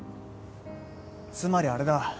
つまりあれだ。